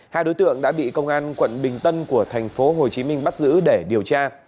hai đối tượng đã bị công an quận bình tân của tp hcm bắt giữ để điều tra